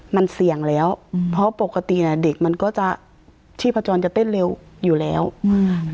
มันเสี่ยงแล้วอืมเพราะปกติน่ะเด็กมันก็จะชีพจรจะเต้นเร็วอยู่แล้วอืม